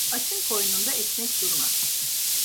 Açın koynunda ekmek durmaz.